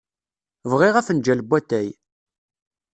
Bɣiɣ afenjal n watay.